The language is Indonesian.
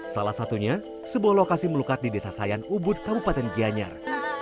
salah satunya sebuah lokasi melukar di desa sayan ubud kabupaten gianyar